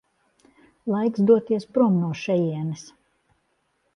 Laiks doties prom no šejienes.